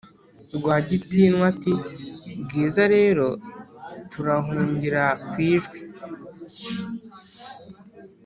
rwagitinwa ati"bwiza rero turahungira kwijwi